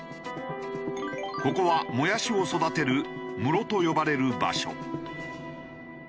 ここはもやしを育てる室と呼ばれる場所。